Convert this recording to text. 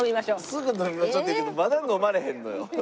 「すぐ飲みましょ」って言うけどまだ飲まれへんのよ。